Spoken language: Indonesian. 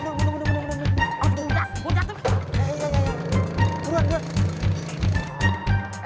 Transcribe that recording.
aduh mudah mudah mudah mudah